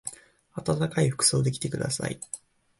あたたかい服装で来てください。